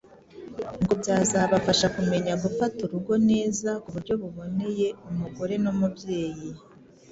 ngo byazabafasha kumenya gufata urugo neza ku buryo buboneye umugore n'umubyeyi.